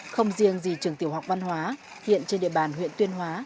không riêng gì trường tiểu học văn hóa hiện trên địa bàn huyện tuyên hóa